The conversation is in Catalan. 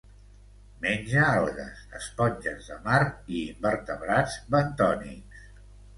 Menja algues, esponges de mar i invertebrats bentònics.